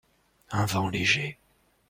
Un vent léger.